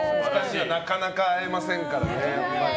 なかなか会えませんからね。